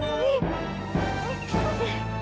aku di sini